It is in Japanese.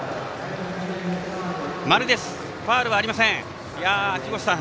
ファウルはありません。